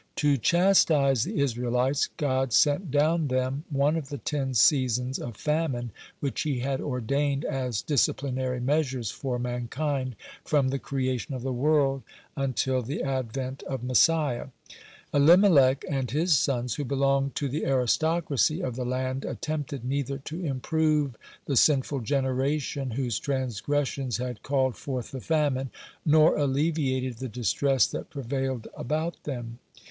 (32) To chastise the Israelites God sent down them one of the ten seasons of famine which He had ordained, as disciplinary measures for mankind, from the creation of the world until the advent of Messiah. (33) Elimelech (34) and his sons, (35) who belonged to the aristocracy of the land, attempted neither to improve (36) the sinful generation whose transgressions had called forth the famine, nor alleviated the distress that prevailed about them.